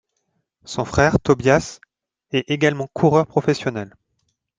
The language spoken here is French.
Son frère Tobias est également coureur professionnel.